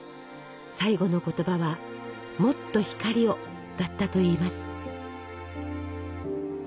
最期の言葉は「もっと光を！」だったといいます。